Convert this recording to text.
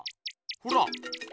ほら。